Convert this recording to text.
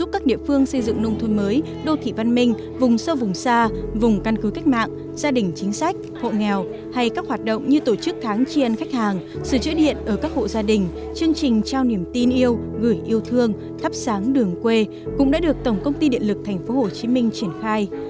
các vùng xa vùng căn cứ cách mạng gia đình chính sách hộ nghèo hay các hoạt động như tổ chức kháng chiên khách hàng sửa chữa điện ở các hộ gia đình chương trình trao niềm tin yêu gửi yêu thương thắp sáng đường quê cũng đã được tổng công ty điện lực tp hcm triển khai